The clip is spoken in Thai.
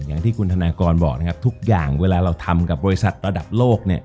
อย่างที่คุณธนากรบอกนะครับทุกอย่างเวลาเราทำกับบริษัทระดับโลก